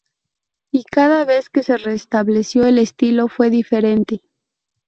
Y cada vez que se restableció, el estilo fue diferente.